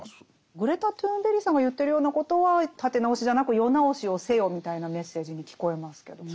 グレタ・トゥーンベリさんが言ってるようなことは立て直しじゃなく世直しをせよみたいなメッセージに聞こえますけどもね。